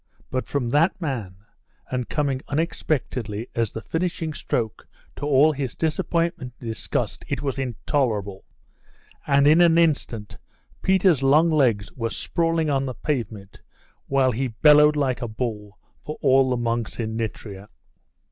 But from that man, and coming unexpectedly as the finishing stroke to all his disappointment and disgust, it was intolerable; and in an instant Peter's long legs were sprawling on the pavement, while he bellowed like a bull for all the monks in Nitria.